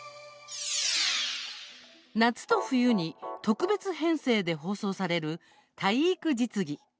夏と冬に特別編成で放送される体育実技。